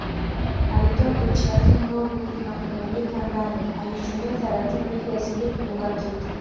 Alitoa tochi yake ndogo na kumulika ndani alitembea taratibu ili asije kugonga kitu